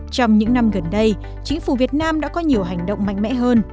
trong những năm gần đây chính phủ việt nam đã có nhiều hành động mạnh mẽ hơn